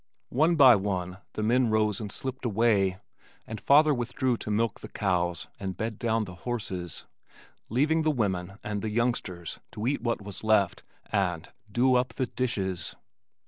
One by one the men rose and slipped away, and father withdrew to milk the cows and bed down the horses, leaving the women and the youngsters to eat what was left and "do up the dishes."